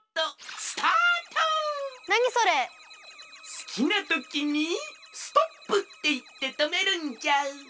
すきなときに「ストップ」っていってとめるんじゃ。